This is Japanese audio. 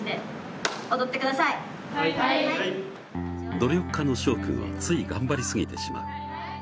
努力家のしょう君はつい頑張りすぎてしまう。